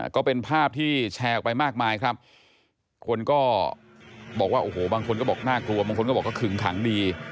ก็เป็นภาพที่แชร์ออกไปมากมายครับคนก็บอกว่าโอ้โหบางคนก็บอกน่ากลัวบางคนก็บอกว่าขึงขังดี